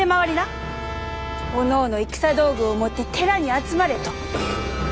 おのおの戦道具を持って寺に集まれと。